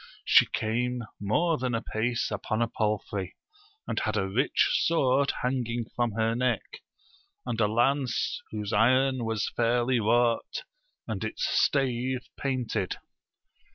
She came more than apace upon a palfrey, and Jiad a rich sword hanging from her neck, and a lance, whose iron was fairly wrought and its stave painted.